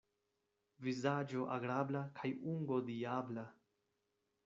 Vizaĝo agrabla kaj ungo diabla.